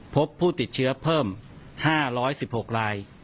พบผู้ติดเชื้อเพิ่ม๕๑๖ราย